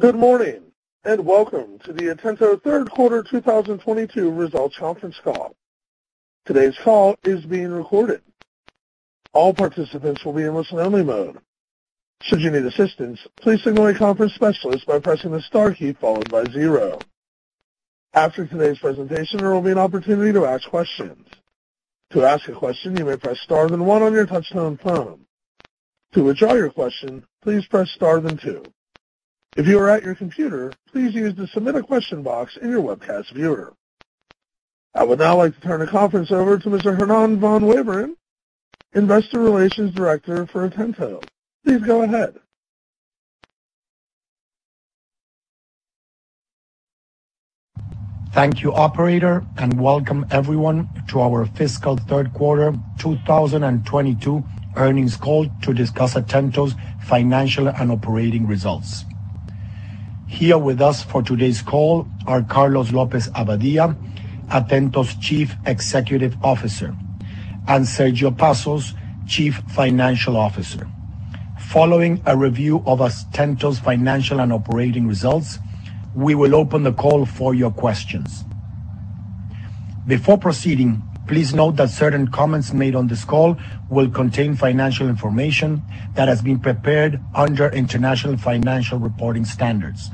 Good morning, and welcome to the Atento Third Quarter 2022 Results Conference Call. Today's call is being recorded. All participants will be in listen-only mode. Should you need assistance, please signal a conference specialist by pressing the star key followed by zero. After today's presentation, there will be an opportunity to ask questions. To ask a question, you may press star then one on your touchtone phone. To withdraw your question, please press star then two. If you are at your computer, please use the Submit a Question box in your webcast viewer. I would now like to turn the conference over to Mr. Hernan van Waveren, Investor Relations Director for Atento. Please go ahead. Thank you, operator, and welcome everyone to our fiscal third quarter 2022 earnings call to discuss Atento's financial and operating results. Here with us for today's call are Carlos López-Abadía, Atento's Chief Executive Officer, and Sergio Passos, Chief Financial Officer. Following a review of Atento's financial and operating results, we will open the call for your questions. Before proceeding, please note that certain comments made on this call will contain financial information that has been prepared under International Financial Reporting Standards.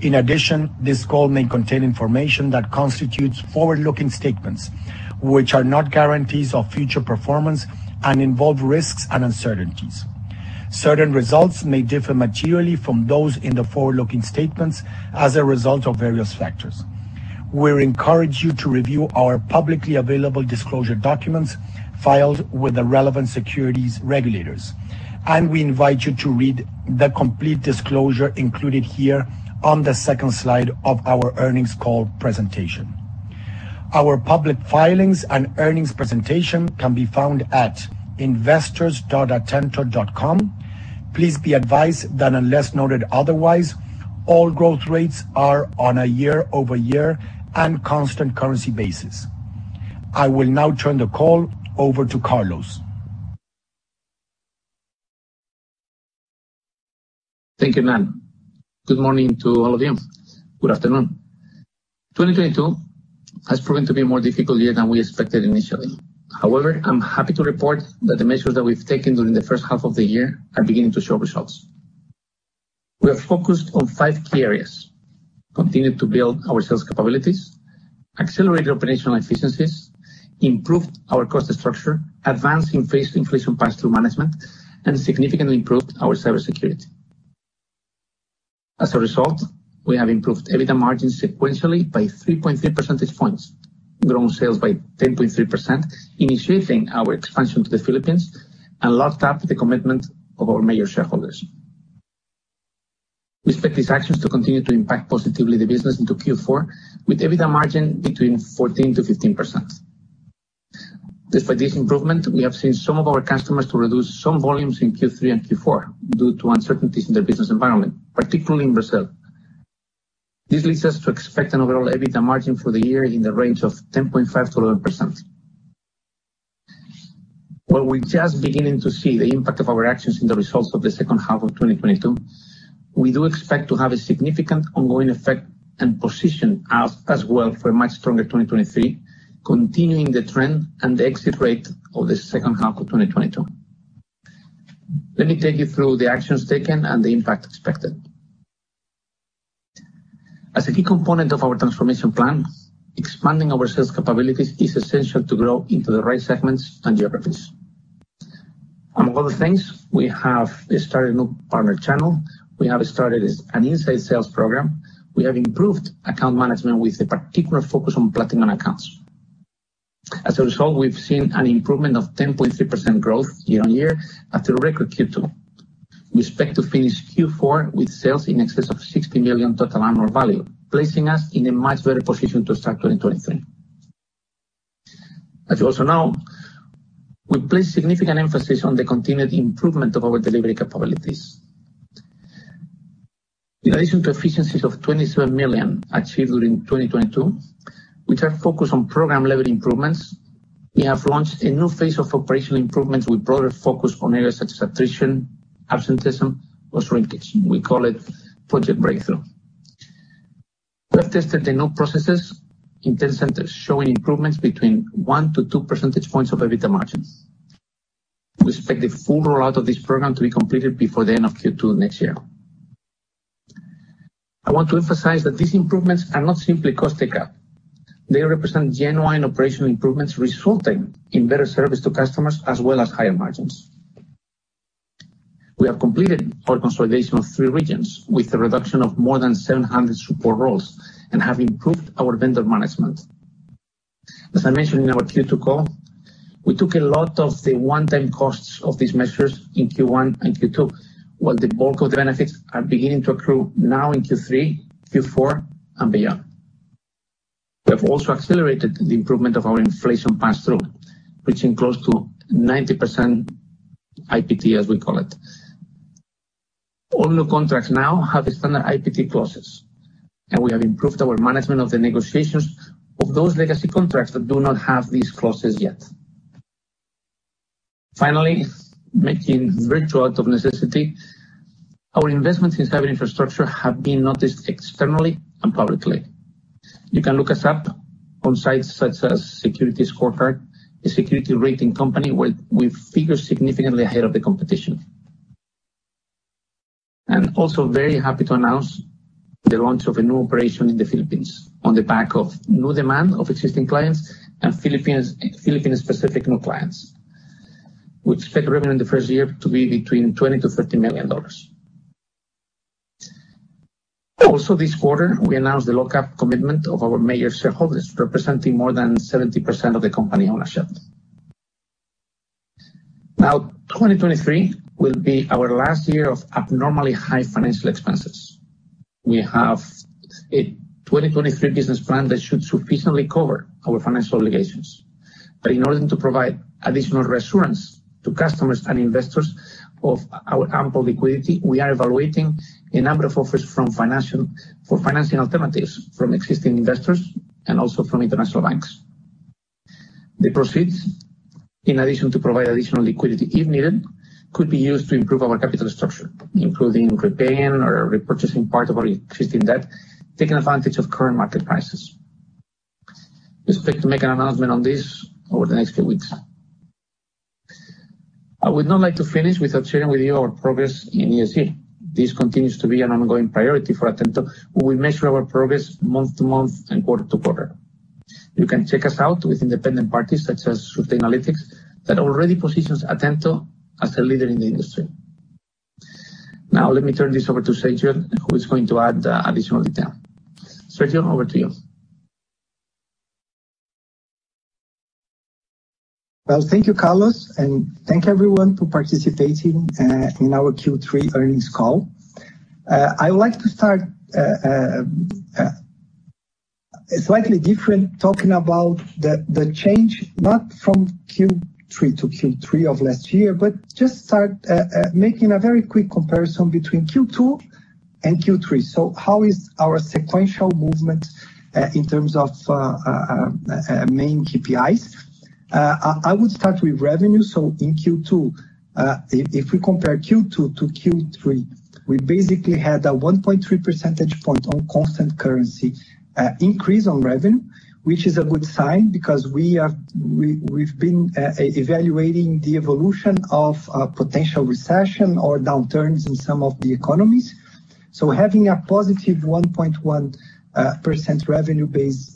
In addition, this call may contain information that constitutes forward-looking statements, which are not guarantees of future performance and involve risks and uncertainties. Certain results may differ materially from those in the forward-looking statements as a result of various factors. We encourage you to review our publicly available disclosure documents filed with the relevant securities regulators. We invite you to read the complete disclosure included here on the second slide of our earnings call presentation. Our public filings and earnings presentation can be found at investors.atento.com. Please be advised that unless noted otherwise, all growth rates are on a year-over-year and constant currency basis. I will now turn the call over to Carlos. Thank you, Hernan. Good morning to all of you. Good afternoon. 2022 has proven to be a more difficult year than we expected initially. However, I'm happy to report that the measures that we've taken during the first half of the year are beginning to show results. We are focused on five key areas, continued to build our sales capabilities, accelerated operational efficiencies, improved our cost structure, advanced in facing inflation pass-through management, and significantly improved our cybersecurity. As a result, we have improved EBITDA margin sequentially by 3.3 percentage points, grown sales by 10.3%, initiating our expansion to the Philippines, and locked in the commitment of our major shareholders. We expect these actions to continue to impact positively the business into Q4 with EBITDA margin between 14%-15%. Despite this improvement, we have seen some of our customers to reduce some volumes in Q3 and Q4 due to uncertainties in their business environment, particularly in Brazil. This leads us to expect an overall EBITDA margin for the year in the range of 10.5%-11%. While we're just beginning to see the impact of our actions in the results of the second half of 2022, we do expect to have a significant ongoing effect and position us as well for a much stronger 2023, continuing the trend and the exit rate of the second half of 2022. Let me take you through the actions taken and the impact expected. As a key component of our transformation plan, expanding our sales capabilities is essential to grow into the right segments and geographies. Among other things, we have started a new partner channel. We have started an inside sales program. We have improved account management with a particular focus on platinum accounts. As a result, we've seen an improvement of 10.3% growth year-on-year after a record Q2. We expect to finish Q4 with sales in excess of 60 million total annual value, placing us in a much better position to start 2023. As you also know, we place significant emphasis on the continued improvement of our delivery capabilities. In addition to efficiencies of 27 million achieved during 2022, which are focused on program-level improvements, we have launched a new phase of operational improvements with broader focus on areas such as attrition, absenteeism, or shrinkage. We call it Project Breakthrough. We have tested the new processes in 10 centers, showing improvements between one to two percentage points of EBITDA margins. We expect the full rollout of this program to be completed before the end of Q2 next year. I want to emphasize that these improvements are not simply cost takeout. They represent genuine operational improvements resulting in better service to customers as well as higher margins. We have completed our consolidation of three regions with a reduction of more than 700 support roles and have improved our vendor management. As I mentioned in our Q2 call, we took a lot of the one-time costs of these measures in Q1 and Q2, while the bulk of the benefits are beginning to accrue now in Q3, Q4, and beyond. We have also accelerated the improvement of our inflation pass-through, reaching close to 90% IPT, as we call it. All new contracts now have a standard IPT clauses, and we have improved our management of the negotiations of those legacy contracts that do not have these clauses yet. Finally, making virtual out of necessity. Our investments in cyber infrastructure have been noticed externally and publicly. You can look us up on sites such as SecurityScorecard, a security rating company where we figure significantly ahead of the competition. I'm also very happy to announce the launch of a new operation in the Philippines on the back of new demand of existing clients and Philippines, Philippine-specific new clients. We expect revenue in the first year to be between $20 million-$30 million. Also this quarter, we announced the lock-up commitment of our major shareholders, representing more than 70% of the company ownership. Now, 2023 will be our last year of abnormally high financial expenses. We have a 2023 business plan that should sufficiently cover our financial obligations. In order to provide additional reassurance to customers and investors of our ample liquidity, we are evaluating a number of offers for financing alternatives from existing investors and also from international banks. The proceeds, in addition to provide additional liquidity if needed, could be used to improve our capital structure, including repaying or repurchasing part of our existing debt, taking advantage of current market prices. We expect to make an announcement on this over the next few weeks. I would not like to finish without sharing with you our progress in ESG. This continues to be an ongoing priority for Atento. We measure our progress month-to-month and quarter-to-quarter. You can check us out with independent parties such as Sustainalytics that already positions Atento as a leader in the industry. Now let me turn this over to Sergio, who is going to add additional detail. Sergio, over to you. Well, thank you, Carlos, and thank everyone for participating in our Q3 earnings call. I would like to start slightly different, talking about the change, not from Q3 to Q3 of last year, but just making a very quick comparison between Q2 and Q3. How is our sequential movement in terms of main KPIs? I would start with revenue. In Q2, if we compare Q2 to Q3, we basically had a 1.3 percentage point on constant currency increase on revenue, which is a good sign because we've been evaluating the evolution of a potential recession or downturns in some of the economies. Having a positive 1.1% revenue base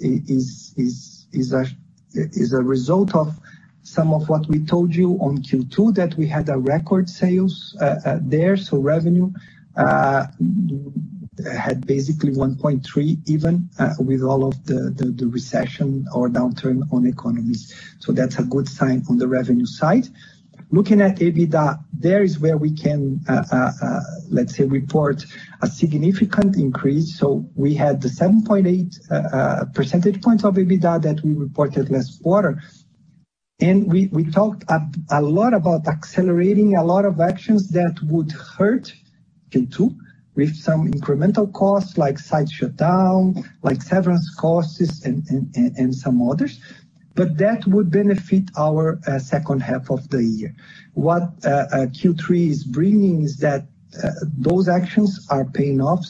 is a result of some of what we told you on Q2, that we had record sales there. Revenue had basically 1.3%, even with all of the recession or downturn on economies. That's a good sign on the revenue side. Looking at EBITDA, that's where we can, let's say, report a significant increase. We had the 7.8 percentage points of EBITDA that we reported last quarter. We talked a lot about accelerating a lot of actions that would hurt Q2 with some incremental costs like site shutdown, like severance costs, and some others. That would benefit our second half of the year. What Q3 is bringing is that those actions are paying off.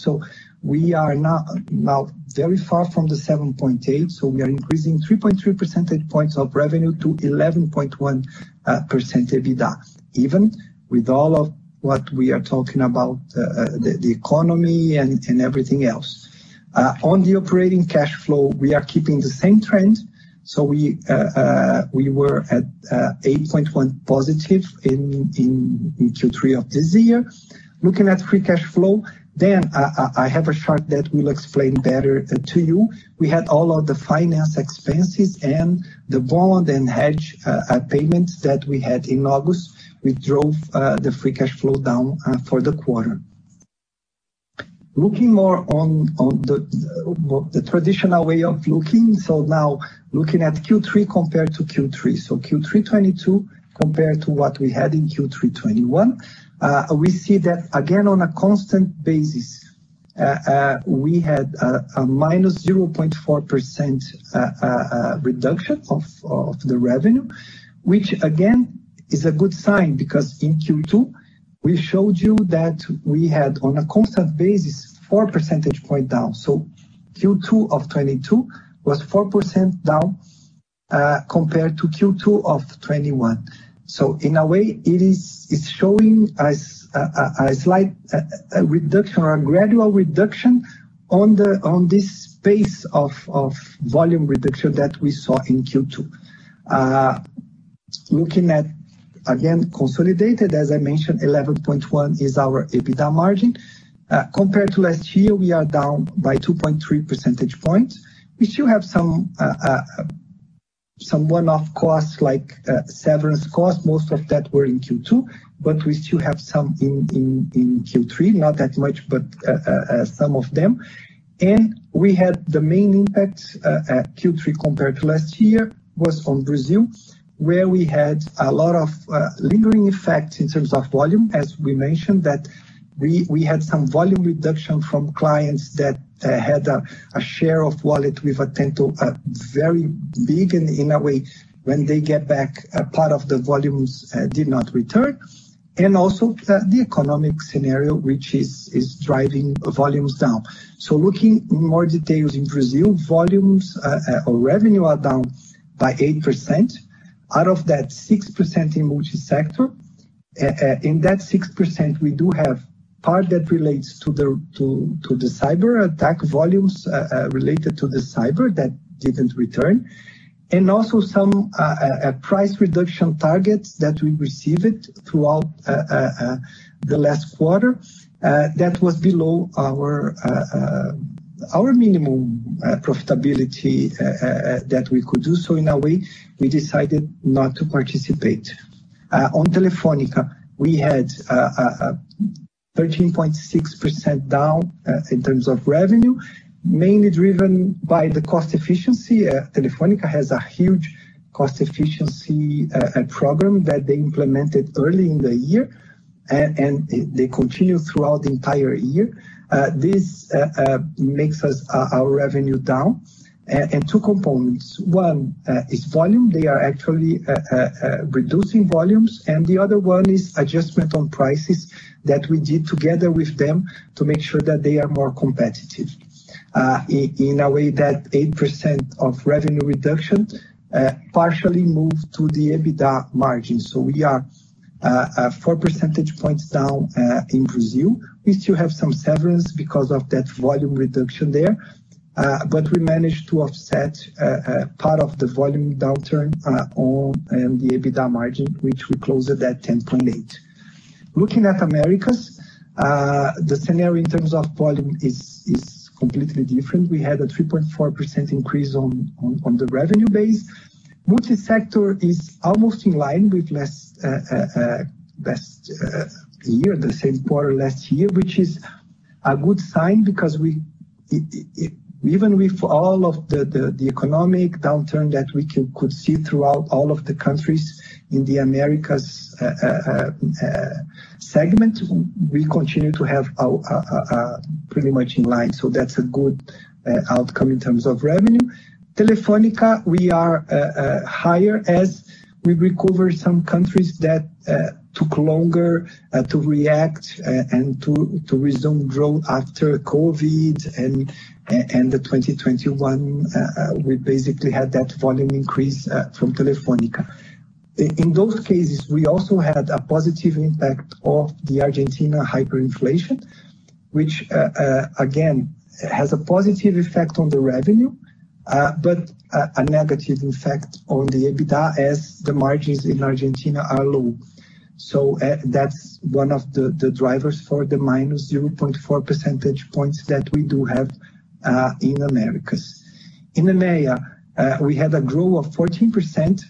We are now very far from the 7.8, so we are increasing 3.3 percentage points of revenue to 11.1% EBITDA, even with all of what we are talking about, the economy and everything else. On the operating cash flow, we are keeping the same trend. We were at 8.1 positive in Q3 of this year. Looking at free cash flow, I have a chart that will explain better to you. We had all of the finance expenses and the bond and hedge payments that we had in August, which drove the free cash flow down for the quarter. Looking more on the traditional way of looking, now looking at Q3 compared to Q3 2022 compared to what we had in Q3 2021. We see that again on a constant basis, we had a minus 0.4% reduction of the revenue, which again is a good sign because in Q2 we showed you that we had on a constant basis four percentage point down. Q2 of 2022 was 4% down compared to Q2 of 2021. In a way it is, it's showing us a slight reduction or a gradual reduction on the pace of volume reduction that we saw in Q2. Looking again at consolidated, as I mentioned, 11.1% is our EBITDA margin. Compared to last year, we are down by 2.3 percentage points. We still have some one-off costs like severance costs. Most of that were in Q2, but we still have some in Q3. Not that much, but some of them. We had the main impact Q3 compared to last year was on Brazil, where we had a lot of lingering effects in terms of volume, as we mentioned. We had some volume reduction from clients that had a share of wallet with Atento very big and in a way, when they get back, a part of the volumes did not return. Also, the economic scenario, which is driving volumes down. Looking at more details in Brazil, volumes or revenue are down by 8%. Out of that 6% in multi-sector. In that 6%, we do have part that relates to the cyber attack volumes related to the cyber that didn't return. Also some price reduction targets that we received throughout the last quarter. That was below our minimum profitability that we could do. In a way, we decided not to participate. On Telefónica, we had a 13.6% down in terms of revenue, mainly driven by the cost efficiency. Telefónica has a huge cost efficiency program that they implemented early in the year, and they continued throughout the entire year. This makes our revenue down. Two components. One is volume. They are actually reducing volumes, and the other one is adjustment on prices that we did together with them to make sure that they are more competitive. In a way that 8% of revenue reduction partially moved to the EBITDA margin. We are four percentage points down in Brazil. We still have some severance because of that volume reduction there, but we managed to offset part of the volume downturn on the EBITDA margin, which we closed at that 10.8% Looking at Americas, the scenario in terms of volume is completely different. We had a 3.4% increase on the revenue base. Multi-sector is almost in line with last year, the same quarter last year, which is a good sign because we even with all of the economic downturn that we could see throughout all of the countries in the Americas segment, we continue to have our pretty much in line. That's a good outcome in terms of revenue. Telefónica, we are higher as we recover some countries that took longer to react and to resume growth after COVID and 2021, we basically had that volume increase from Telefónica. In those cases, we also had a positive impact of the Argentina hyperinflation, which again has a positive effect on the revenue, but a negative effect on the EBITDA as the margins in Argentina are low. That's one of the drivers for the -0.4 percentage points that we do have in Americas. In EMEA, we had a growth of 14%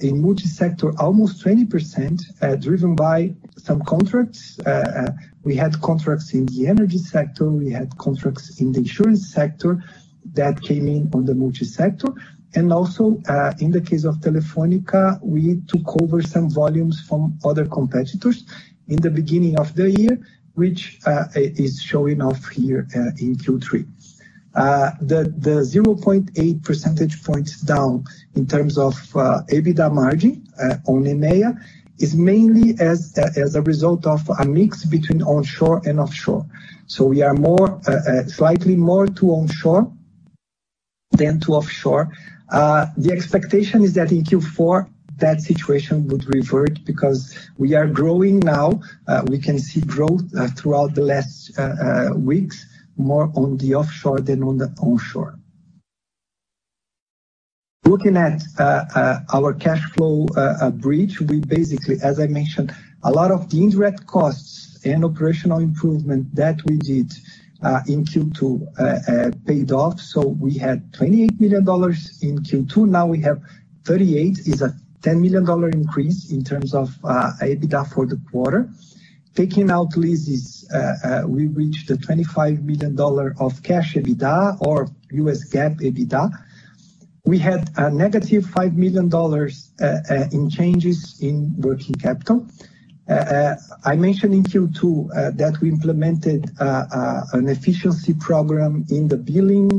in multi-sector, almost 20%, driven by some contracts. We had contracts in the energy sector, we had contracts in the insurance sector that came in on the multi-sector. Also, in the case of Telefónica, we took over some volumes from other competitors in the beginning of the year, which is showing up here in Q3. The 0.8 percentage points down in terms of EBITDA margin on EMEA is mainly as a result of a mix between onshore and offshore. We are slightly more onshore than offshore. The expectation is that in Q4, that situation would revert because we are growing now. We can see growth throughout the last weeks, more on the offshore than on the onshore. Looking at our cash flow, we basically, as I mentioned, a lot of the indirect costs and operational improvement that we did in Q2 paid off. We had $28 million in Q2. Now we have $38 million. It's a $10 million increase in terms of EBITDA for the quarter. Taking out leases, we reached $25 million of cash EBITDA or U.S. GAAP EBITDA. We had a negative $5 million in changes in working capital. I mentioned in Q2 that we implemented an efficiency program in the billing,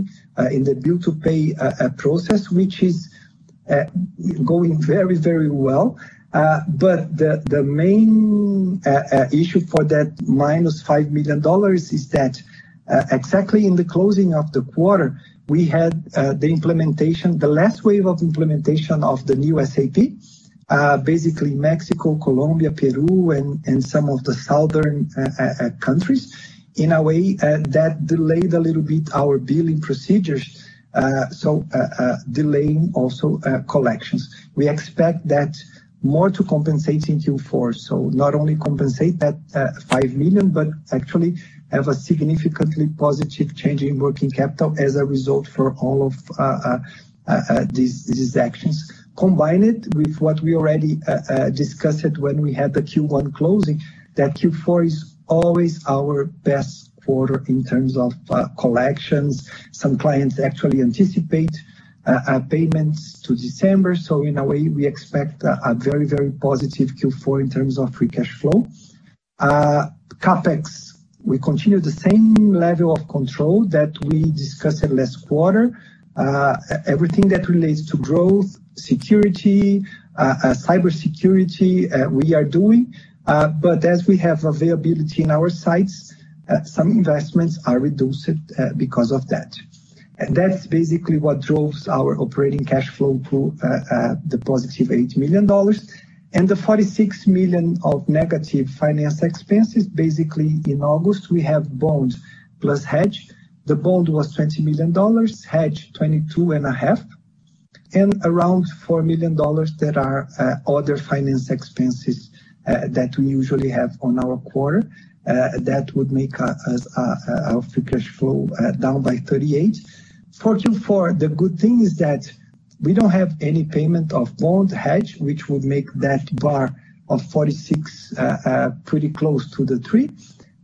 in the bill to pay process, which is going very, very well. The main issue for that -$5 million is that exactly in the closing of the quarter, we had the last wave of implementation of the new SAP basically Mexico, Colombia, Peru, and some of the southern countries. In a way that delayed a little bit our billing procedures, so delaying also collections. We expect that more to compensate in Q4. Not only compensate that $5 million, but actually have a significantly positive change in working capital as a result for all of these actions. Combined with what we already discussed when we had the Q1 closing, that Q4 is always our best quarter in terms of collections. Some clients actually anticipate payments to December, so in a way, we expect a very positive Q4 in terms of free cash flow. CapEx, we continue the same level of control that we discussed in last quarter. Everything that relates to growth, security, cybersecurity, we are doing, but as we have availability in our sites, some investments are reduced because of that. That's basically what drove our operating cash flow to the positive $80 million and the $46 million of negative finance expenses. Basically, in August, we have bond plus hedge. The bond was $20 million, hedge $22.5 million, and around $4 million that are other finance expenses that we usually have on our quarter that would make our free cash flow down by $38 million. For Q4, the good thing is that we don't have any payment of bond hedge, which would make that bar of $46 million pretty close to the $3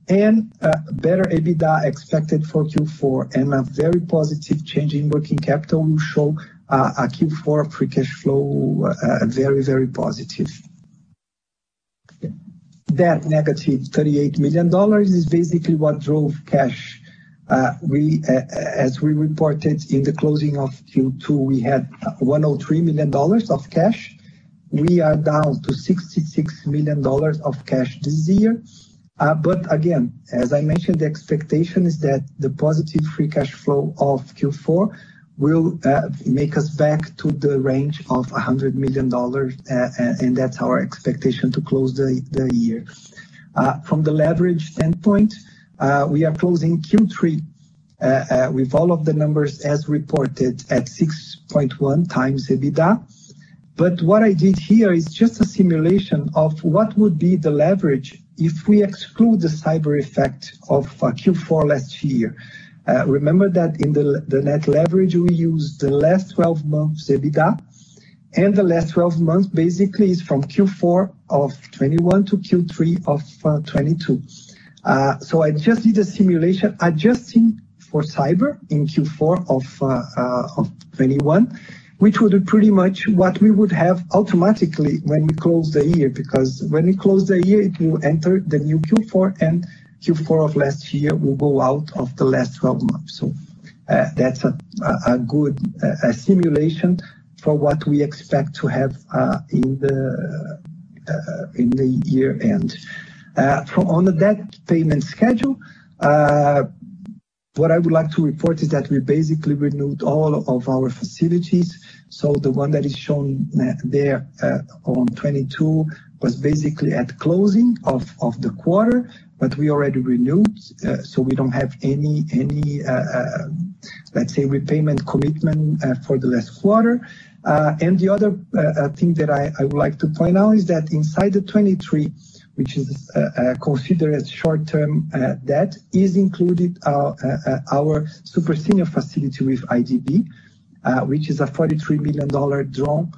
million. Better EBITDA expected for Q4 and a very positive change in working capital will show a Q4 free cash flow very, very positive. That -$38 million is basically what drove cash. We, as we reported in the closing of Q2, had $103 million of cash. We are down to $66 million of cash this year. Again, as I mentioned, the expectation is that the positive free cash flow of Q4 will make us back to the range of $100 million, and that's our expectation to close the year. From the leverage standpoint, we are closing Q3 with all of the numbers as reported at 6.1x EBITDA. What I did here is just a simulation of what would be the leverage if we exclude the cyber effect of Q4 last year. Remember that in the net leverage we used the last 12 months EBITDA, and the last 12 months basically is from Q4 of 2021 to Q3 of 2022. I just did a simulation adjusting for cyber in Q4 of 2021, which would be pretty much what we would have automatically when we close the year, because when we close the year, it will enter the new Q4 and Q4 of last year will go out of the last 12 months. That's a good simulation for what we expect to have in the year-end. On the debt payment schedule, what I would like to report is that we basically renewed all of our facilities. The one that is shown there on 2022 was basically at closing of the quarter, but we already renewed, so we don't have any, let's say, repayment commitment for the last quarter. The other thing that I would like to point out is that inside the 2023, which is considered as short-term debt, is included our super senior facility with IDB, which is a $43 million drawn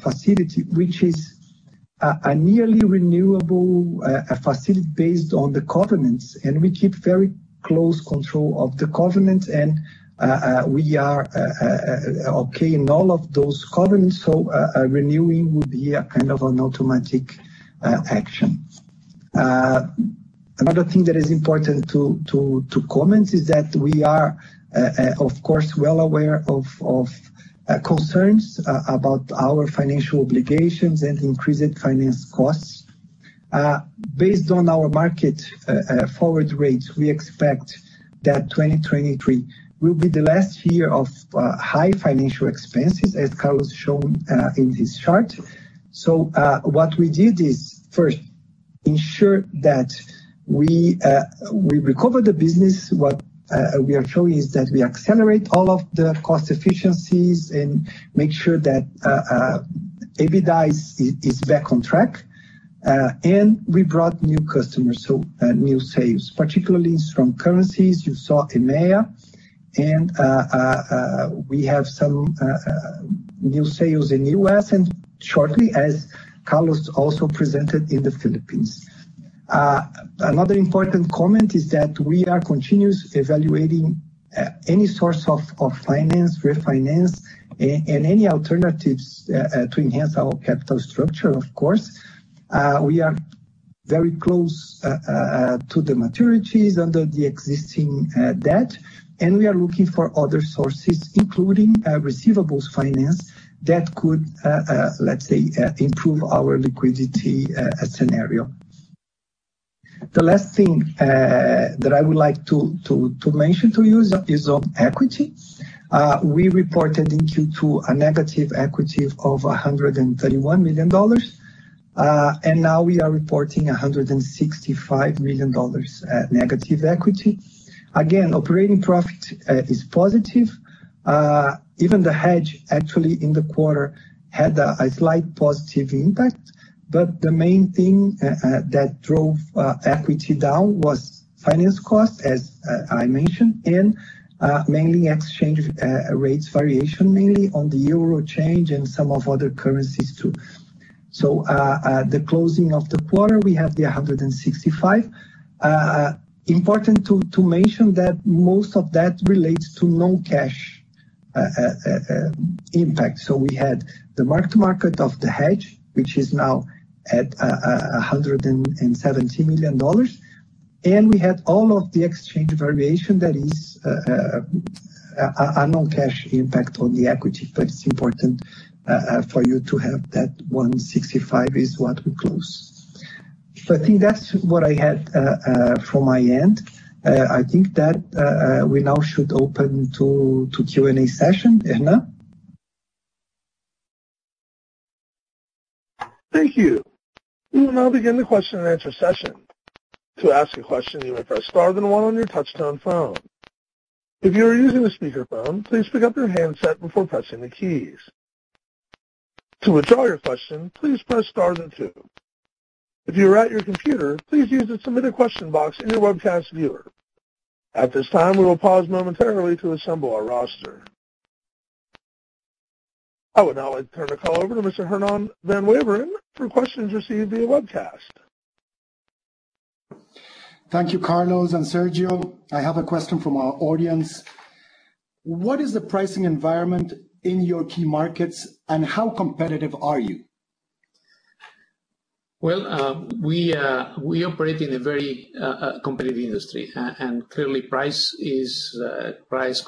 facility, which is a nearly renewable facility based on the covenants. We keep very close control of the covenant and we are okay in all of those covenants, so renewing would be a kind of an automatic action. Another thing that is important to comment is that we are, of course, well aware of concerns about our financial obligations and increased finance costs. Based on our market forward rates, we expect that 2023 will be the last year of high financial expenses, as Carlos showed in his chart. What we did is first ensure that we recover the business. What we are showing is that we accelerate all of the cost efficiencies and make sure that EBITDA is back on track. We brought new customers, so new sales, particularly from currencies you saw EMEA. We have some new sales in U.S. and shortly, as Carlos also presented in the Philippines. Another important comment is that we are continuously evaluating any source of finance, refinance, and any alternatives to enhance our capital structure, of course. We are very close to the maturities under the existing debt, and we are looking for other sources, including receivables finance that could, let's say, improve our liquidity scenario. The last thing that I would like to mention to you is of equity. We reported in Q2 a negative equity of $131 million. Now we are reporting $165 million at negative equity. Again, operating profit is positive. Even the hedge actually in the quarter had a slight positive impact. The main thing that drove equity down was finance costs, as I mentioned, and mainly exchange rates variation, mainly on the euro change and some of the other currencies too. The closing of the quarter, we have $165. Important to mention that most of that relates to non-cash impact. We had the mark-to-market of the hedge, which is now at $170 million. We had all of the exchange variation that is, a non-cash impact on the equity. It's important for you to have that $165 is what we close. I think that's what I had from my end. I think we now should open to Q&A session. Hernan? Thank you. We will now begin the question-and-answer session. To ask a question, you may press star then one on your touch-tone phone. If you are using a speakerphone, please pick up your handset before pressing the keys. To withdraw your question, please press star then two. If you are at your computer, please use the Submit a Question box in your webcast viewer. At this time, we will pause momentarily to assemble our roster. I would now like to turn the call over to Mr. Hernan van Waveren for questions received via webcast. Thank you, Carlos and Sergio. I have a question from our audience. What is the pricing environment in your key markets, and how competitive are you? Well, we operate in a very competitive industry. Clearly price,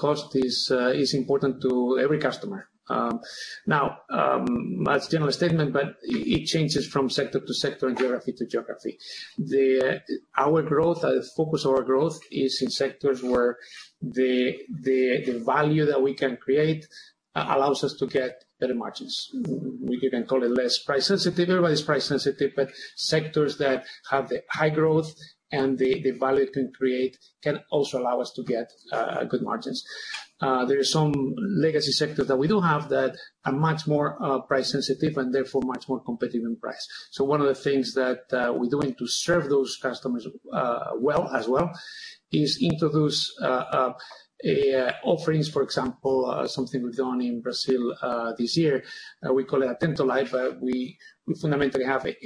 cost is important to every customer. That's a general statement, but it changes from sector-to-sector and geography-to-geography. Our growth, the focus of our growth is in sectors where the value that we can create allows us to get better margins. We can call it less price sensitive. Everybody's price sensitive, but sectors that have the high growth and the value it can create can also allow us to get good margins. There are some legacy sectors that we don't have that are much more price sensitive and therefore much more competitive in price. One of the things that we're doing to serve those customers, well, as well, is introducing an offering, for example, something we've done in Brazil this year. We call it Atento Lite, but we fundamentally have an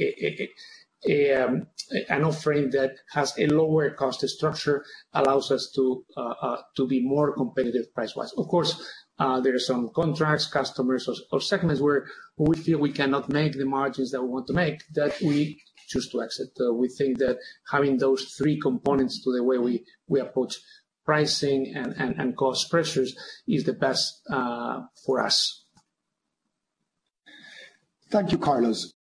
offering that has a lower cost structure, allows us to be more competitive price-wise. Of course, there are some contracts, customers or segments where we feel we cannot make the margins that we want to make, that we choose to exit. We think that having those three components to the way we approach pricing and cost pressures is the best for us. Thank you, Carlos.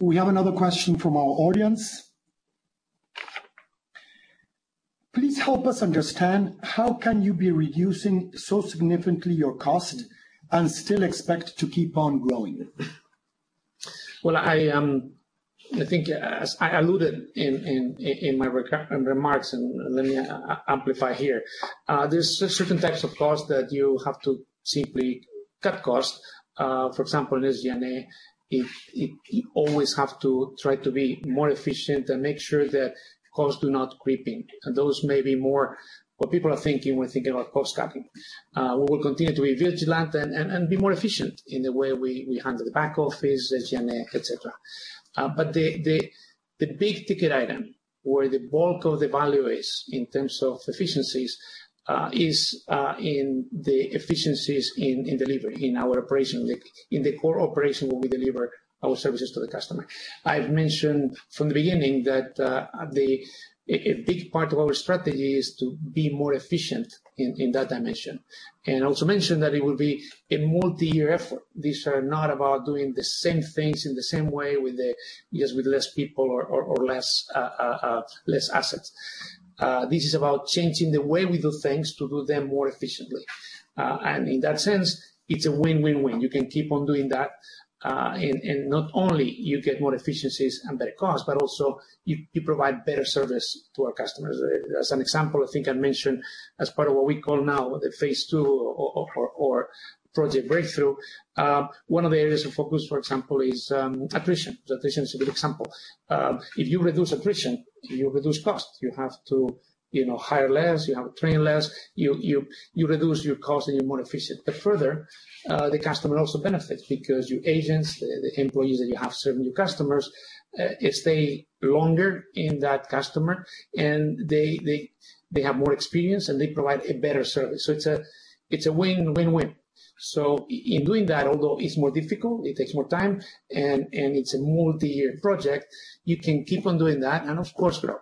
We have another question from our audience. Please help us understand how can you be reducing so significantly your cost and still expect to keep on growing? Well, I think as I alluded in my remarks, and let me amplify here. There are certain types of costs that you have to simply cut costs. For example, there's G&A. You always have to try to be more efficient and make sure that costs do not creep in. Those may be more what people are thinking when thinking about cost cutting. We will continue to be vigilant and be more efficient in the way we handle the back office, the G&A, et cetera. But the big-ticket item where the bulk of the value is in terms of efficiencies is in the efficiencies in delivery, in our operation, like in the core operation where we deliver our services to the customer. I've mentioned from the beginning that the... A big part of our strategy is to be more efficient in that dimension. Also mentioned that it will be a multi-year effort. These are not about doing the same things in the same way with just less people or less assets. This is about changing the way we do things to do them more efficiently. In that sense, it's a win-win-win. You can keep on doing that and not only you get more efficiencies and better costs, but also you provide better service to our customers. As an example, I think I mentioned as part of what we call now Phase II or Project Breakthrough, one of the areas of focus, for example, is attrition. Attrition is a good example. If you reduce attrition, you reduce costs. You have to, you know, hire less, you have to train less. You reduce your costs and you're more efficient. Further, the customer also benefits because your agents, the employees that you have serving your customers, if they last longer with that customer and they have more experience and they provide a better service. It's a win-win. In doing that, although it's more difficult, it takes more time and it's a multi-year project, you can keep on doing that and of course grow.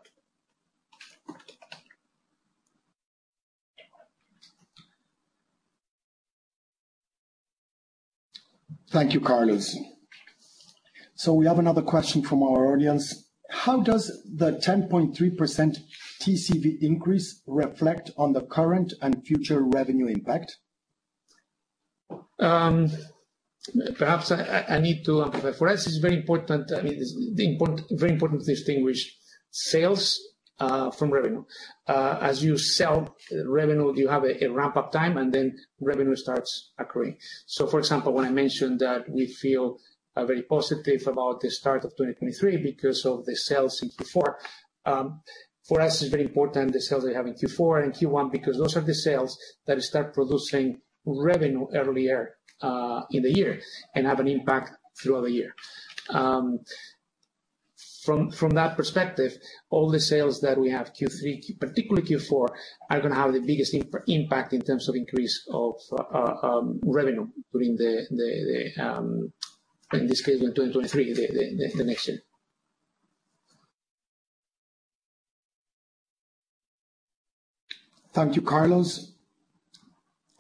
Thank you, Carlos. We have another question from our audience. How does the 10.3% TCV increase reflect on the current and future revenue impact? Perhaps I need to amplify. For us, it's very important, I mean, it's important, very important to distinguish sales from revenue. As you sell revenue, you have a ramp-up time, and then revenue starts accruing. For example, when I mentioned that we feel very positive about the start of 2023 because of the sales in Q4, for us it's very important the sales we have in Q4 and Q1 because those are the sales that start producing revenue earlier in the year and have an impact throughout the year. From that perspective, all the sales that we have in Q3, particularly Q4, are gonna have the biggest impact in terms of increase of revenue during the year, in this case, in 2023, the next year. Thank you, Carlos.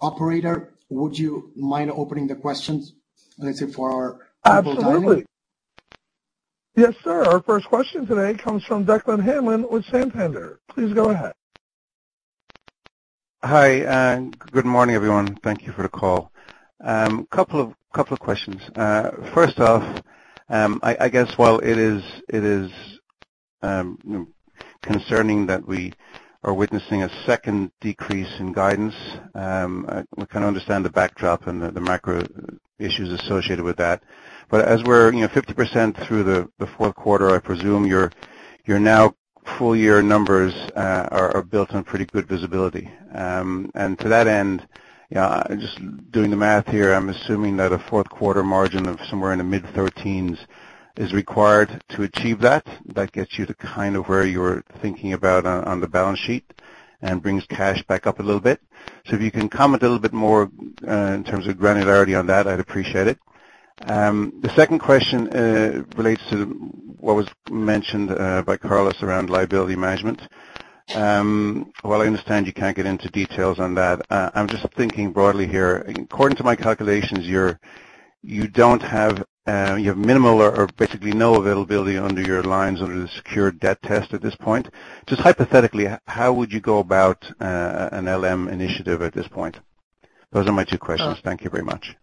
Operator, would you mind opening the questions, let's say, for our panel tonight? Absolutely. Yes, sir. Our first question today comes from Declan Hanlon with Santander. Please go ahead. Hi, and good morning, everyone. Thank you for the call. Couple of questions. First off, I guess while it is concerning that we are witnessing a second decrease in guidance, we kind of understand the backdrop and the macro issues associated with that. As we're, you know, 50% through the fourth quarter, I presume your now full year numbers are built on pretty good visibility. To that end, just doing the math here, I'm assuming that a fourth quarter margin of somewhere in the mid-13s percent is required to achieve that. That gets you to kind of where you're thinking about on the balance sheet and brings cash back up a little bit. If you can comment a little bit more in terms of granularity on that, I'd appreciate it. The second question relates to what was mentioned by Carlos around liability management. While I understand you can't get into details on that, I'm just thinking broadly here. According to my calculations, you have minimal or basically no availability under your lines under the secured debt test at this point. Just hypothetically, how would you go about an LM initiative at this point? Those are my two questions. Thank you very much.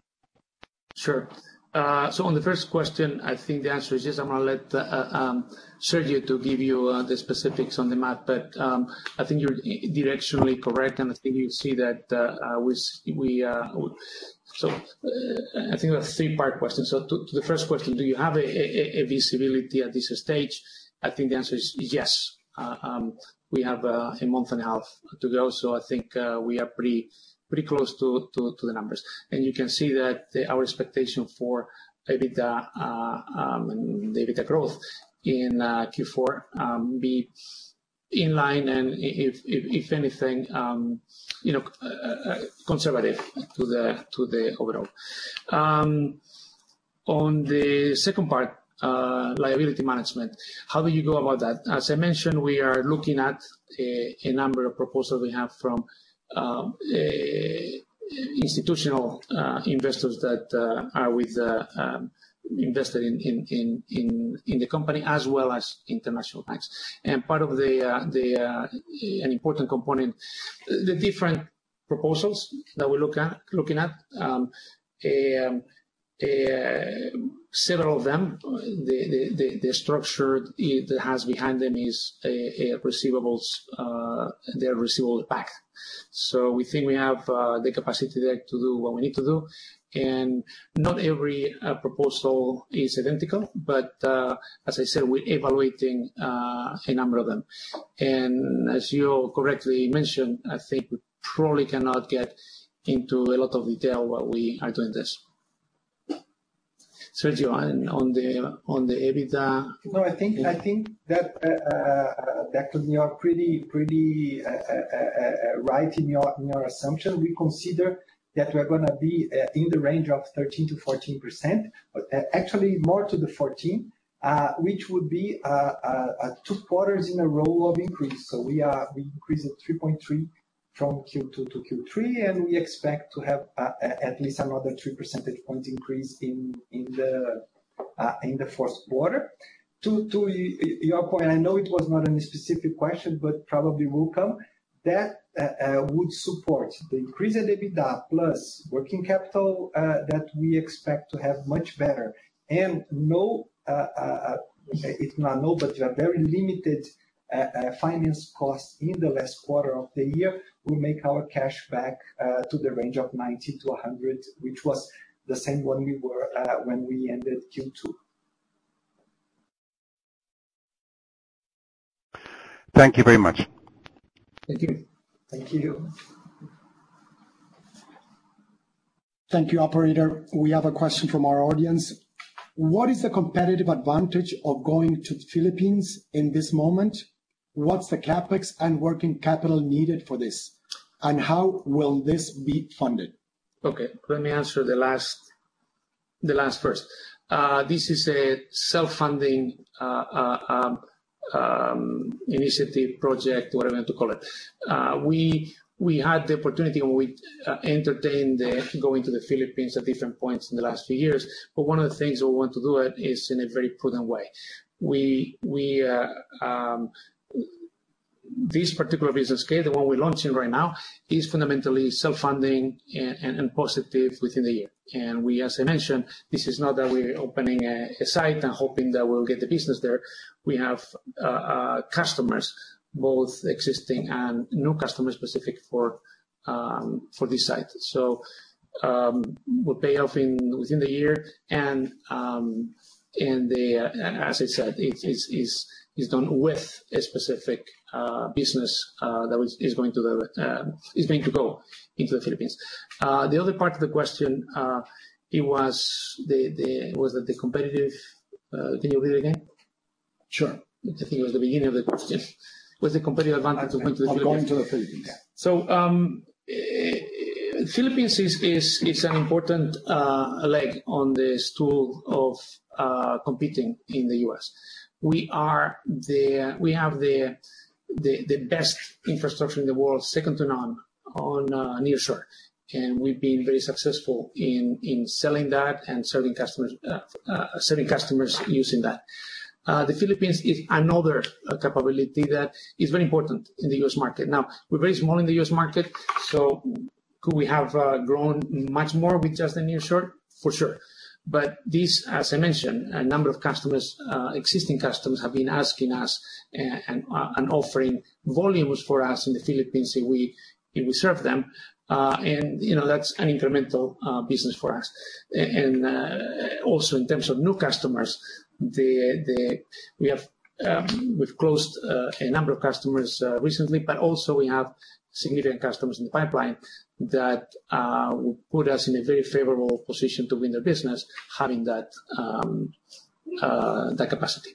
Sure. On the first question, I think the answer is yes. I'm gonna let Sergio give you the specifics on the math, but I think you're directionally correct, and I think you see that we. I think that's a three-part question. To the first question, do you have a visibility at this stage? I think the answer is yes. We have a month and a half to go, so I think we are pretty close to the numbers. And you can see that our expectation for EBITDA and the EBITDA growth in Q4 be in line and if anything, you know, conservative to the overall. On the second part, liability management, how do you go about that? As I mentioned, we are looking at a number of proposals we have from institutional investors that are invested in the company as well as international banks. Part of an important component of the different proposals that we're looking at several of them, the structure it has behind them is a receivables pack. We think we have the capacity there to do what we need to do. Not every proposal is identical, but as I said, we're evaluating a number of them. As you correctly mentioned, I think we probably cannot get into a lot of detail while we are doing this. Sergio, on the EBITDA. No, I think that, Declan, you are pretty right in your assumption. We consider that we're gonna be in the range of 13%-14%, but actually more to the 14%, which would be two quarters in a row of increase. We increased it 3.3% from Q2 to Q3, and we expect to have at least another three percentage point increase in the fourth quarter. To your point, I know it was not a specific question, but probably will come. That would support the increase in EBITDA plus working capital that we expect to have much better and no, it's not no, but very limited finance costs in the last quarter of the year will make our cash back to the range of $90-$100, which was the same one we were when we ended Q2. Thank you very much. Thank you. Thank you. Thank you. Operator, we have a question from our audience. What is the competitive advantage of going to the Philippines in this moment? What's the CapEx and working capital needed for this? How will this be funded? Okay, let me answer the last first. This is a self-funding initiative project, whatever you want to call it. We had the opportunity when we entertained going to the Philippines at different points in the last few years, but one of the things we want to do it is in a very prudent way. This particular business scale, the one we're launching right now, is fundamentally self-funding and positive within the year. We, as I mentioned, this is not that we're opening a site and hoping that we'll get the business there. We have customers, both existing and new customers specific for this site. Will pay off within the year and, as I said, is done with a specific business that is going to go into the Philippines. The other part of the question, it was the, was it the competitive, can you read it again? Sure. I think it was the beginning of the question. What's the competitive advantage of going to the Philippines? Of going to the Philippines. Philippines is an important leg on the stool of competing in the U.S. We have the best infrastructure in the world, second to none on near shore. We've been very successful in selling that and serving customers using that. The Philippines is another capability that is very important in the U.S. market. Now, we're very small in the U.S. market, so could we have grown much more with just the near shore? For sure. This, as I mentioned, a number of customers, existing customers have been asking us and offering volumes for us in the Philippines if we serve them. You know, that's an incremental business for us. Also in terms of new customers, we've closed a number of customers recently, but also we have significant customers in the pipeline that will put us in a very favorable position to win their business, having that capacity.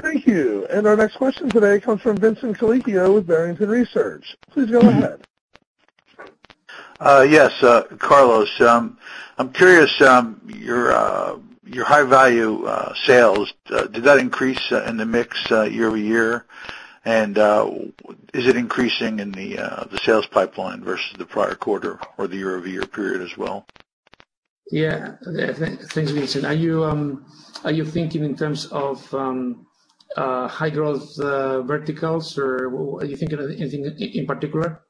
Thank you. Our next question today comes from Vincent Colicchio with Barrington Research. Please go ahead. Yes, Carlos, I'm curious, your high value sales, did that increase in the mix year-over-year? Is it increasing in the sales pipeline versus the prior quarter or the year-over-year period as well? Yeah. Thanks, Vincent. Are you thinking in terms of high growth verticals, or are you thinking of anything in particular?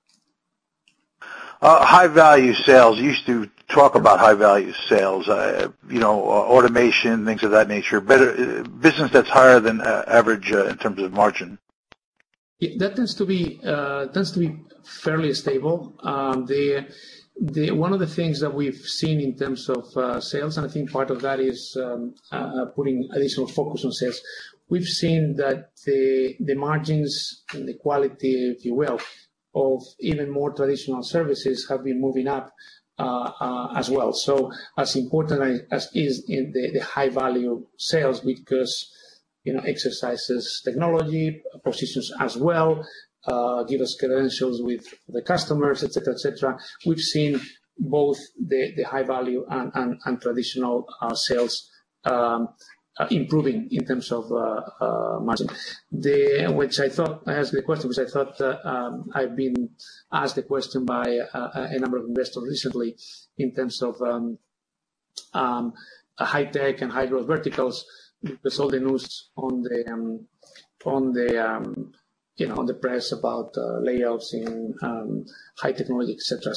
High value sales. You used to talk about high value sales, you know, automation, things of that nature. Business that's higher than average, in terms of margin. That tends to be fairly stable. One of the things that we've seen in terms of sales, and I think part of that is putting additional focus on sales. We've seen that the margins and the quality, if you will, of even more traditional services have been moving up as well. As important as is in the high-value sales, because you know, leverages technology positions as well give us credentials with the customers, et cetera, et cetera. We've seen both the high-value and traditional sales improving in terms of margin. Which I thought was the question, because I thought I've been asked the question by a number of investors recently in terms of high tech and high growth verticals with all the news in the press about layoffs in high technology, et cetera.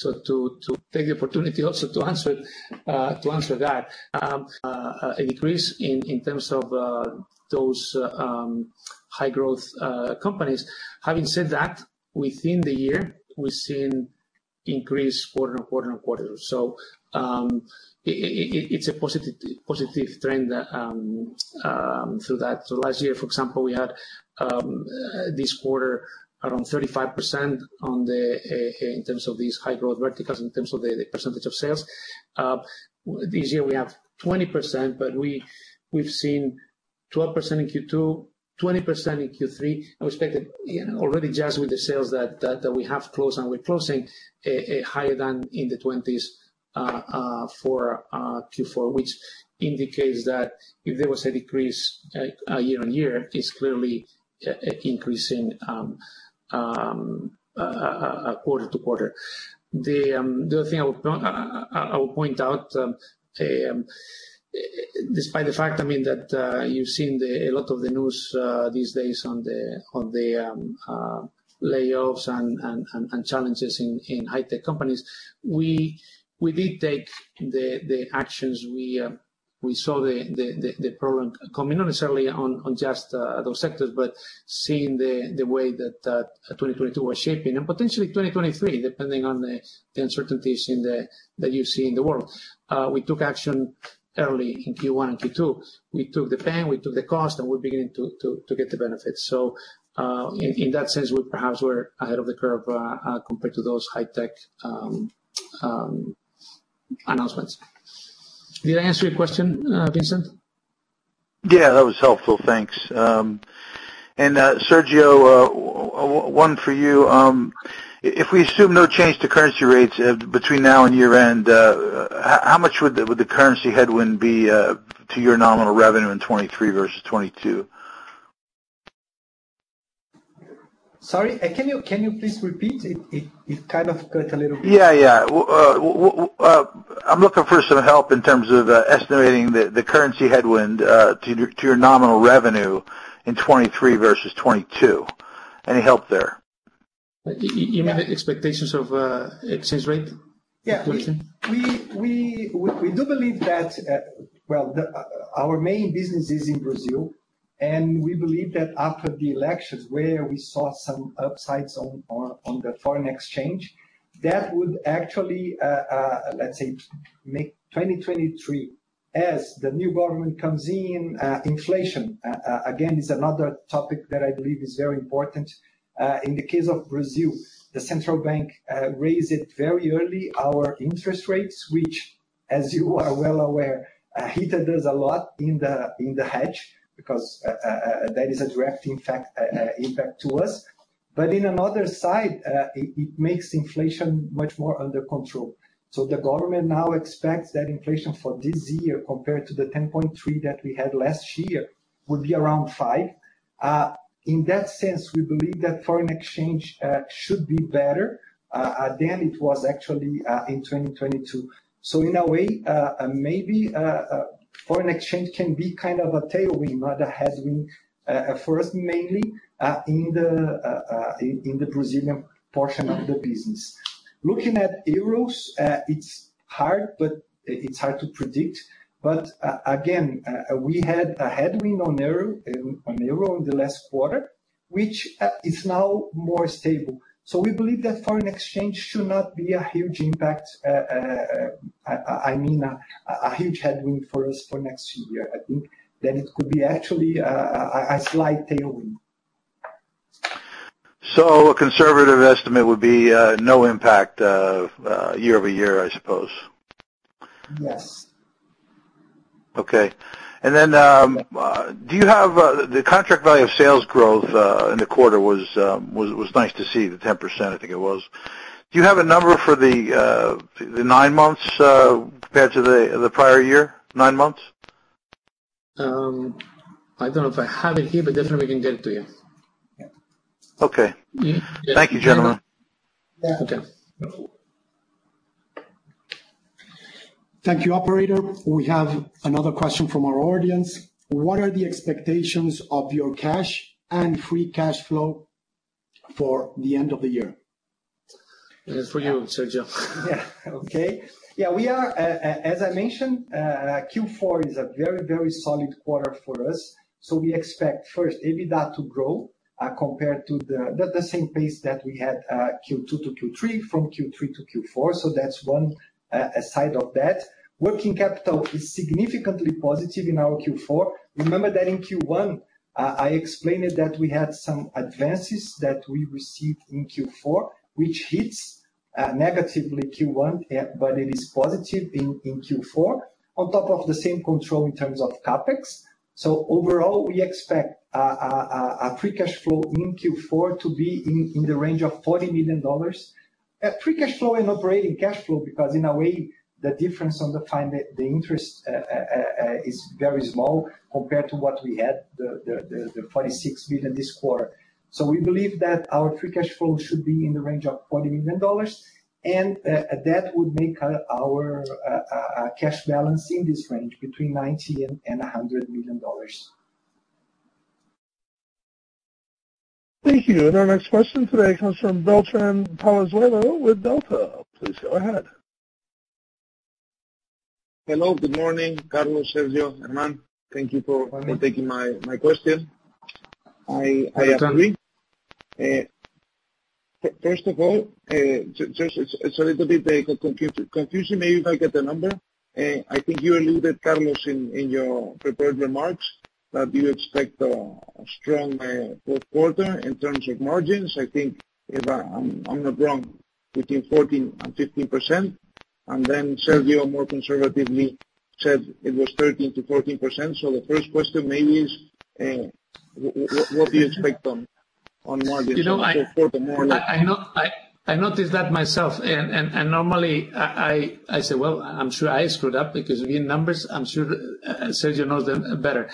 To take the opportunity also to answer that, a decrease in terms of those high growth companies. Having said that, within the year, we've seen increases quarter-over-quarter. It's a positive trend throughout that. Last year, for example, we had this quarter around 35% in terms of these high growth verticals in terms of the percentage of sales. This year we have 20%, but we've seen 12% in Q2, 20% in Q3, and we expect that, you know, already just with the sales that we have closed and we're closing a higher than in the 20s for Q4, which indicates that if there was a decrease year-on-year, it's clearly increasing quarter-to-quarter. The other thing I will point out, despite the fact, I mean, that you've seen a lot of the news these days on the layoffs and challenges in high tech companies, we did take the actions. We saw the problem coming, not necessarily on just those sectors, but seeing the way that 2022 was shaping and potentially 2023, depending on the uncertainties that you see in the world. We took action early in Q1 and Q2. We took the pain, we took the cost, and we're beginning to get the benefits. In that sense, we perhaps were ahead of the curve compared to those high-tech announcements. Did I answer your question, Vincent? Yeah, that was helpful. Thanks. Sergio, one for you. If we assume no change to currency rates between now and year-end, how much would the currency headwind be to your nominal revenue in 2023 versus 2022? Sorry. Can you please repeat? It kind of cut a little bit. Yeah, yeah. Well, I'm looking for some help in terms of estimating the currency headwind to your nominal revenue in 2023 versus 2022. Any help there? You mean the expectations of exchange rate? Yeah. We do believe that our main business is in Brazil, and we believe that after the elections where we saw some upsides on the foreign exchange, that would actually, let's say, make 2023. As the new government comes in, inflation, again, is another topic that I believe is very important. In the case of Brazil, the central bank raised it very early, our interest rates, which as you are well aware, hit us a lot in the hedge because that is a direct impact to us. But on another side, it makes inflation much more under control. The government now expects that inflation for this year, compared to the 10.3% that we had last year, will be around 5%. In that sense, we believe that foreign exchange should be better than it was actually in 2022. In a way, maybe foreign exchange can be kind of a tailwind, but a headwind for us, mainly in the Brazilian portion of the business. Looking at euros, it's hard, but it's hard to predict. Again, we had a headwind on euro in the last quarter, which is now more stable. We believe that foreign exchange should not be a huge impact. I mean a huge headwind for us for next year. I think that it could be actually a slight tailwind. A conservative estimate would be no impact, year-over-year, I suppose. Yes. Okay. Do you have the contract value of sales growth in the quarter? Was nice to see the 10% I think it was. Do you have a number for the nine months compared to the prior year nine months? I don't know if I have it here, but definitely we can get it to you. Okay. Thank you, gentlemen. Okay. Thank you, operator. We have another question from our audience. What are the expectations of your cash and free cash flow for the end of the year? This is for you, Sergio. As I mentioned, Q4 is a very, very solid quarter for us. We expect first EBITDA to grow compared to the same pace that we had Q2 to Q3 from Q3 to Q4. That's one side of that. Working capital is significantly positive in our Q4. Remember that in Q1 I explained that we had some advances that we received in Q4, which hits negatively Q1 but it is positive in Q4 on top of the same control in terms of CapEx. Overall, we expect a free cash flow in Q4 to be in the range of $40 million. Free cash flow and operating cash flow, because in a way, the difference on the finance, the interest, is very small compared to what we had, the $46 million this quarter. We believe that our free cash flow should be in the range of $40 million, and that would make our cash balance in this range between $90 million and $100 million. Thank you. Our next question today comes from Beltrán Palazuelo with Delta. Please go ahead. Hello, good morning, Carlos, Sergio, Hernan. Thank you for taking my question. I agree. First of all, just it's a little bit confusing. Maybe if I get the number. I think you alluded, Carlos, in your prepared remarks that you expect a strong fourth quarter in terms of margins. I think if I'm not wrong, between 14% and 15%. Then Sergio, more conservatively, said it was 13%-14%. The first question maybe is, what do you expect on margins for the more like- You know, I noticed that myself and normally I say, well, I'm sure I screwed up because with numbers, I'm sure Sergio knows them better.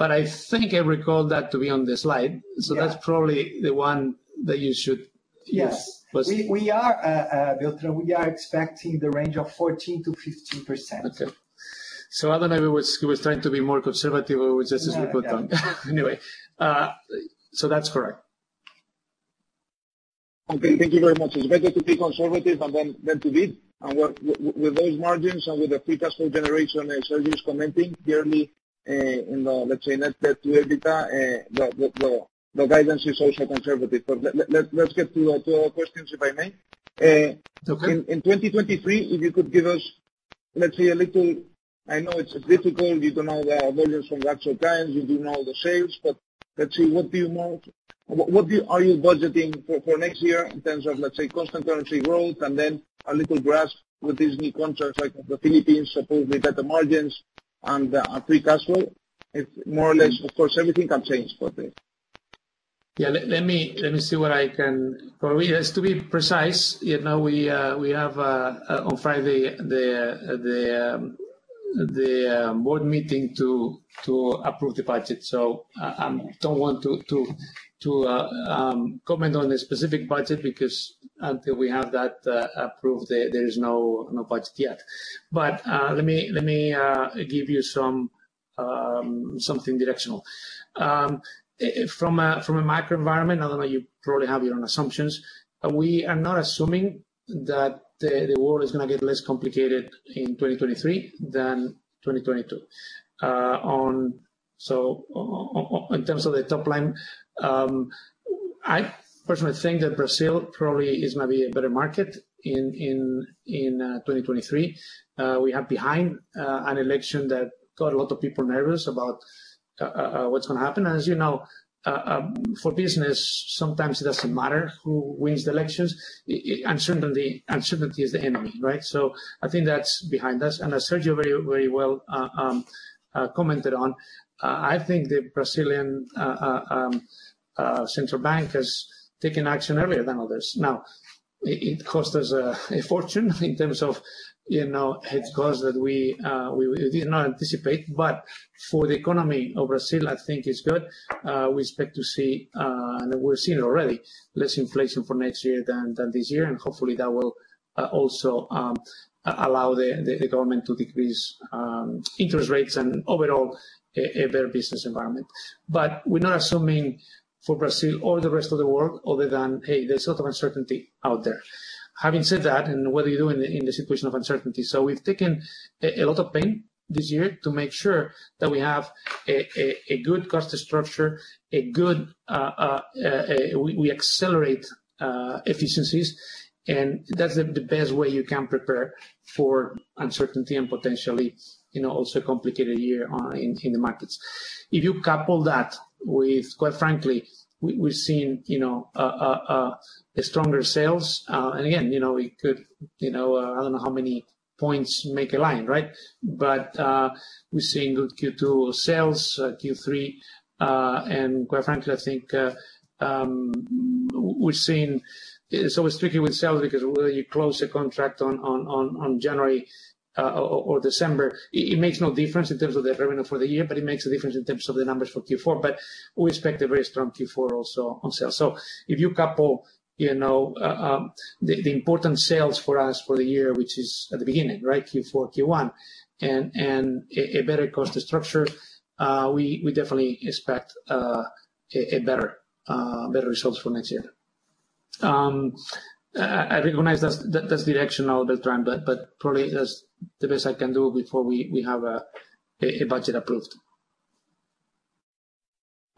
I think I recall that to be on the slide. That's probably the one that you should use. Yes. We are, Beltran, we are expecting the range of 14%-15%. Okay. I don't know if he was trying to be more conservative or just as we put down. Anyway, so that's correct. Okay, thank you very much. It's better to be conservative than to bid. With those margins and with the free cash flow generation as Sergio is commenting yearly, in the, let's say, net debt to EBITDA, the guidance is also conservative. Let's get to our questions, if I may. It's okay. In 2023, if you could give us, let's say, a little. I know it's difficult. You don't know the volumes from the actual clients. You do know the sales. Let's see, what do you know? What are you budgeting for next year in terms of, let's say, constant currency growth, and then a little grasp with these new contracts like the Philippines, suppose with better margins and, free cash flow? It's more or less, of course, everything can change, but. Yeah, let me see what I can. For real, to be precise, you know, we have on Friday the board meeting to approve the budget. I don't want to comment on the specific budget because until we have that approved, there is no budget yet. Let me give you something directional. From a macro environment, I don't know, you probably have your own assumptions. We are not assuming that the world is gonna get less complicated in 2023 than 2022. In terms of the top line, I personally think that Brazil probably is maybe a better market in 2023. We have behind an election that got a lot of people nervous about what's gonna happen. As you know, for business, sometimes it doesn't matter who wins the elections. Uncertainty is the enemy, right? I think that's behind us. As Sergio very well commented on, I think the Brazilian central bank has taken action earlier than others. Now, it cost us a fortune in terms of, you know, hedge costs that we did not anticipate. For the economy of Brazil, I think it's good. We expect to see and we're seeing already less inflation for next year than this year. Hopefully that will also allow the government to decrease interest rates and overall a better business environment. We're not assuming for Brazil or the rest of the world other than, hey, there's a lot of uncertainty out there. Having said that, what do you do in this equation of uncertainty? We've taken a lot of pain this year to make sure that we have a good cost structure, a good. We accelerate efficiencies, and that's the best way you can prepare for uncertainty and potentially, you know, also a complicated year in the markets. If you couple that with, quite frankly, we've seen, you know, stronger sales. Again, you know, we could, you know, I don't know how many points make a line, right? We're seeing good Q2 sales, Q3. Quite frankly, I think, we're seeing. It's always tricky with sales because whether you close a contract on January or December, it makes no difference in terms of the revenue for the year, but it makes a difference in terms of the numbers for Q4. We expect a very strong Q4 also on sales. If you couple, you know, the important sales for us for the year, which is at the beginning, right, Q4, Q1, and a better cost structure, we definitely expect better results for next year. I recognize that's directional, Beltrán Palazuelo, but probably that's the best I can do before we have a budget approved.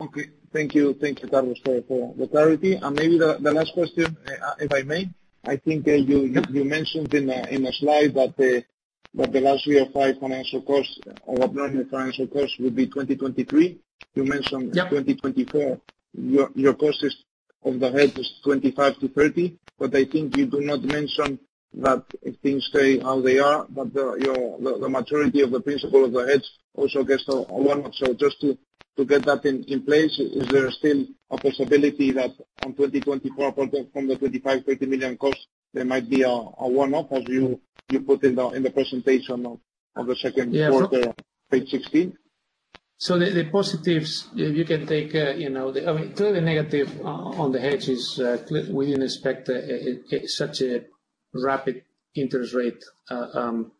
Okay. Thank you. Thank you, Carlos, for the clarity. Maybe the last question, if I may. I think, you- You mentioned in a slide that the last three of five financial costs or non-financial costs would be 2023. You mentioned Yeah. 2024, your cost of the hedge is $25-$30 million. I think you do not mention that if things stay how they are, that your the maturity of the principal of the hedge also gets a one-off. Just to get that in place, is there still a possibility that on 2024, apart from the $25-$30 million cost, there might be a one-off as you put in the presentation of the second quarter? Page 16. The positives, if you can take, you know, the, I mean, clearly the negative on the hedge is, we didn't expect such a rapid interest rate growth.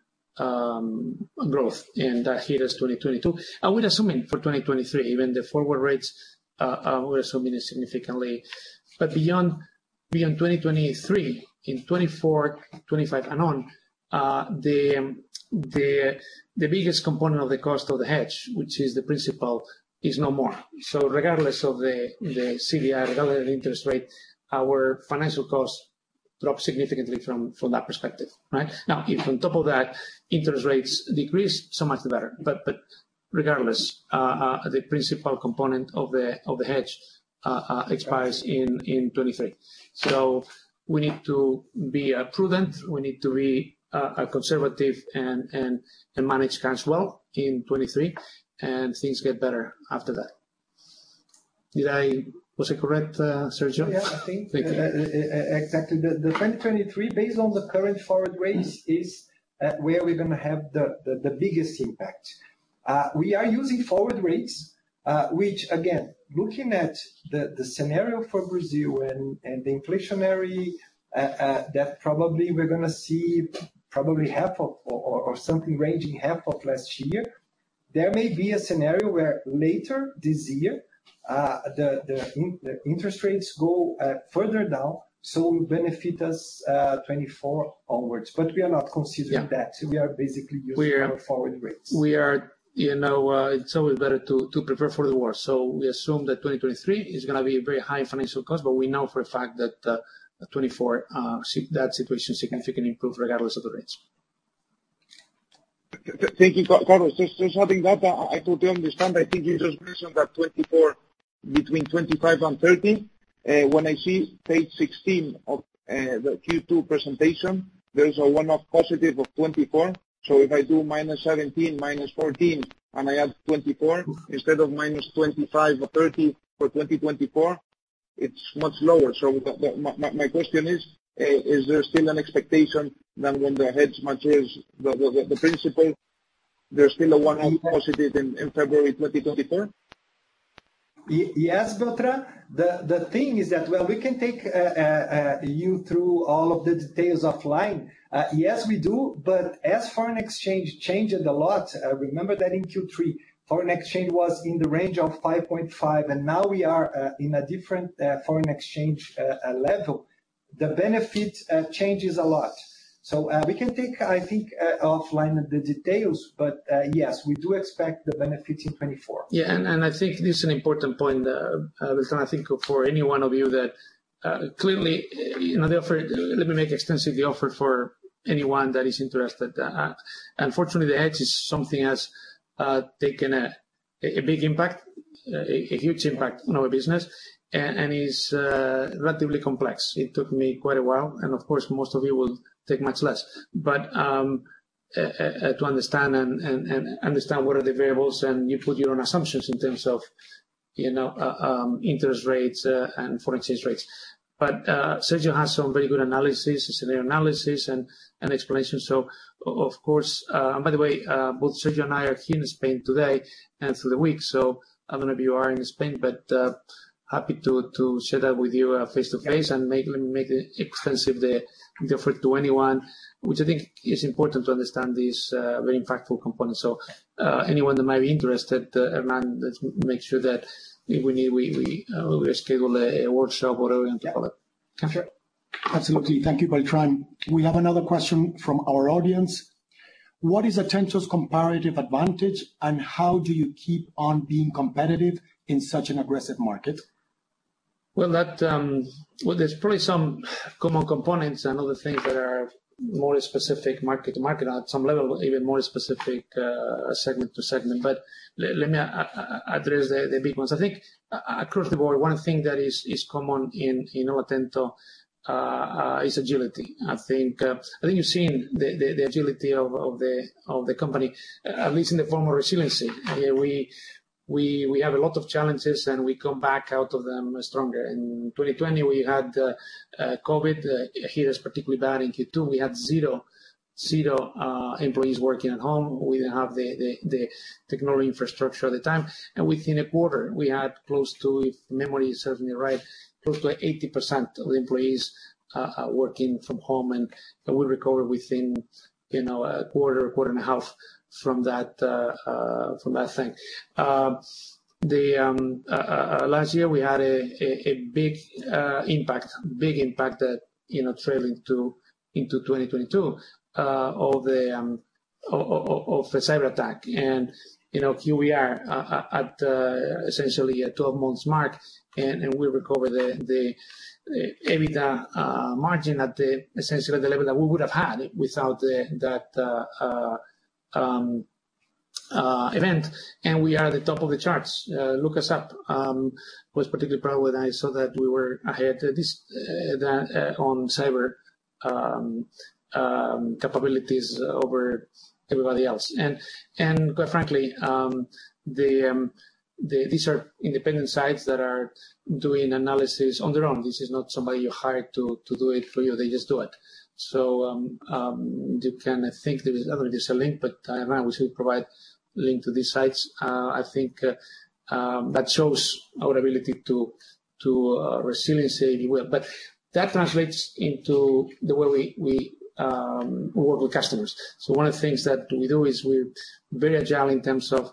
That hit us 2022. We're assuming for 2023, even the forward rates, we're assuming it significantly. Beyond 2023, in 2024, 2025 and on, the biggest component of the cost of the hedge, which is the principal, is no more. Regardless of the CDI, regardless of the interest rate, our financial costs drop significantly from that perspective, right? Now, if on top of that interest rates decrease, so much the better. Regardless, the principal component of the hedge expires in 2023. We need to be prudent. We need to be conservative and manage cash well in 2023, and things get better after that. Was I correct, Sergio? Yeah, I think. Thank you. Exactly. The 2023, based on the current forward rates, is where we're gonna have the biggest impact. We are using forward rates, which again, looking at the scenario for Brazil and the inflationary that probably we're gonna see half of or something ranging half of last year. There may be a scenario where later this year, the interest rates go further down, so benefit us, 2024 onwards. We are not considering that. Yeah. We are basically using our forward rates. We are, you know, it's always better to prepare for the worst. We assume that 2023 is gonna be a very high financial cost, but we know for a fact that 2024 that situation significantly improve regardless of the rates. Thank you, Carlos. Just adding that, I totally understand, but I think you just mentioned that $24 between $25 and $30. When I see page 16 of the Q2 presentation, there is a one-off positive of $24. So if I do minus $17, minus $14, and I add $24, instead of minus $25 or $30 for 2024, it's much lower. So my question is there still an expectation that when the hedge matures, the principal, there's still a one-off positive in February 2024? Yes, Beltrán Palazuelo. The thing is that. Well, we can take you through all of the details offline. Yes, we do. As foreign exchange changes a lot, remember that in Q3, foreign exchange was in the range of 5.5, and now we are in a different foreign exchange level. The benefit changes a lot. We can take, I think, offline the details, but yes, we do expect the benefit in 2024. Yeah, I think this is an important point, and I think for anyone of you that clearly, you know, the offer. Let me extend the offer for anyone that is interested. Unfortunately, the hedge is something that has taken a big impact, a huge impact on our business and is relatively complex. It took me quite a while, and of course, most of you will take much less. But to understand what are the variables, and you put your own assumptions in terms of, you know, interest rates and foreign exchange rates. But Sergio has some very good analysis, scenario analysis and explanation. Of course. By the way, both Sergio and I are here in Spain today and through the week, so I'm gonna be around in Spain, but happy to share that with you face-to-face. Let me extend the offer to anyone, which I think is important to understand these very impactful components. Anyone that might be interested, Hernan, let's make sure that if we need, we schedule a workshop or whatever and follow up. Yeah. Sure. Absolutely. Thank you both. We have another question from our audience. What is Atento's comparative advantage, and how do you keep on being competitive in such an aggressive market? Well, there's probably some common components and other things that are more specific market-to-market, at some level, even more specific, segment to segment. Let me address the big ones. I think across the board, one thing that is common in Atento is agility. I think you've seen the agility of the company, at least in the form of resiliency. We have a lot of challenges, and we come back out of them stronger. In 2020, we had COVID. It hit us particularly bad in Q2. We had zero employees working at home. We didn't have the technology infrastructure at the time. Within a quarter, we had close to, if memory serves me right, close to 80% of the employees working from home. We recovered within, you know, a quarter and a half from that thing. Last year, we had a big impact that, you know, trailing into 2022, of a cyberattack. You know, here we are at essentially a 12 months mark, and we recover the EBITDA margin at essentially the level that we would have had without that event. We are at the top of the charts. Look us up. I was particularly proud when I saw that we were ahead this, that, on cyber capabilities over everybody else. Quite frankly, these are independent sites that are doing analysis on their own. This is not somebody you hired to do it for you. They just do it. You can, I think there is. I don't know if there's a link, but, Hernan, we should provide link to these sites. I think that shows our ability to resiliency well. That translates into the way we work with customers. One of the things that we do is we're very agile in terms of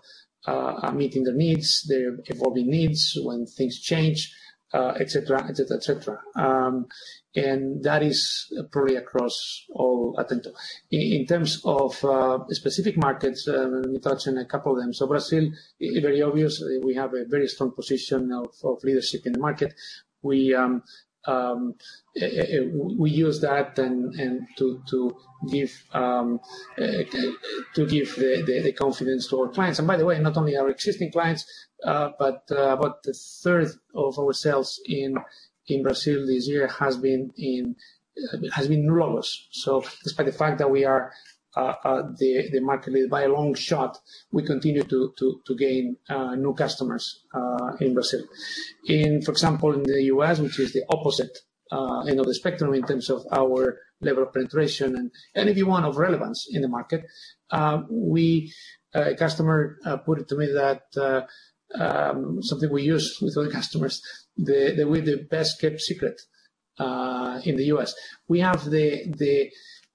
meeting their needs, their evolving needs when things change, et cetera. That is probably across all Atento. In terms of specific markets, let me touch on a couple of them. Brazil, very obvious, we have a very strong position of leadership in the market. We use that and to give the confidence to our clients. By the way, not only our existing clients, but about 1/3 of our sales in Brazil this year has been robust. Despite the fact that we are the market leader by a long shot, we continue to gain new customers in Brazil. For example, in the U.S., which is the opposite end of the spectrum in terms of our level of penetration and if you want, of relevance in the market, a customer put it to me that something we use with other customers, we're the best-kept secret in the U.S. We have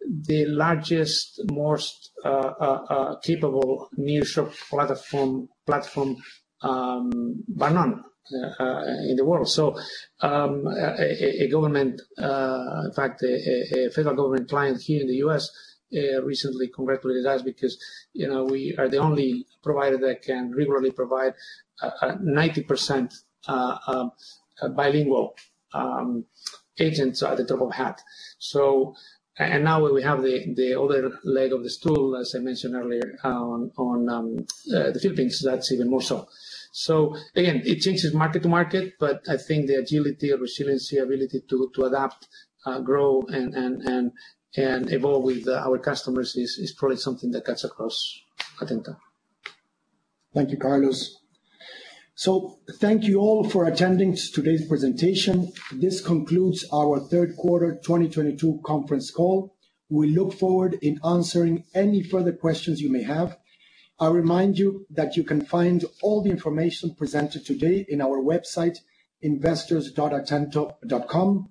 the largest, most capable nearshore platform bar none in the world. A government, in fact, a federal government client here in the U.S., recently congratulated us because you know, we are the only provider that can rigorously provide a 90% bilingual agents at the top of hat. Now we have the other leg of the stool, as I mentioned earlier, on the Philippines, that's even more so. Again, it changes market-to-market, but I think the agility or resiliency, ability to adapt, grow and evolve with our customers is probably something that cuts across Atento. Thank you, Carlos. Thank you all for attending today's presentation. This concludes our third quarter 2022 conference call. We look forward in answering any further questions you may have. I remind you that you can find all the information presented today in our website, investors.atento.com.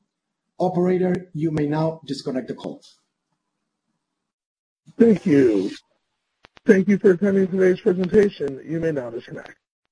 Operator, you may now disconnect the calls. Thank you. Thank you for attending today's presentation. You may now disconnect.